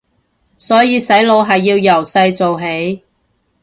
所以洗腦係要由細做起